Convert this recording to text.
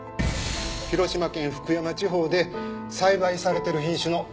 広島県福山地方で栽培されてる品種のイグサや。